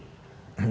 saya kira tuh